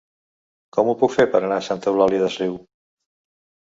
Com ho puc fer per anar a Santa Eulària des Riu?